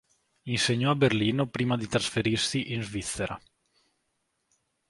Insegnò a Berlino prima di trasferirsi in Svizzera.